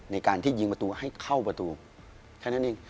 ในการที่ยิงประตูให้เข้าประตูแค่นั้นเอง